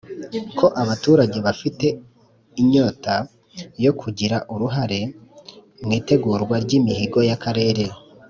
ko abaturage bafite inyota yo kugira uruhare mu itegurwa ry imihigo y akarere.